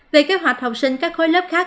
về kế hoạch học sinh các khối lớp khác